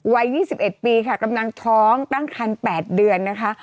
วัย๒๑ปีค่ะกำลังท้องตั้งคัน๘เดือนนะคะ